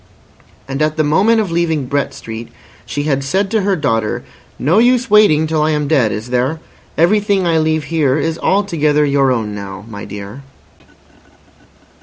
And at the moment of leaving Brett Street she had said to her daughter: "No use waiting till I am dead, is there? Everything I leave here is altogether your own now, my dear."